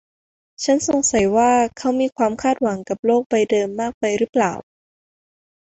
ฉันสงสัยว่าเขามีความคาดหวังกับโลกใบเดิมมากไปหรือเปล่า